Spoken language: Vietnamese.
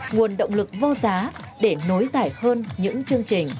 nguồn động lực vô giá để nối giải hơn những chương trình